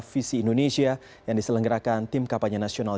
visi indonesia yang diselenggerakan tim kapalnya nasional